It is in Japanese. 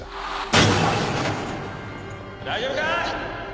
大丈夫か？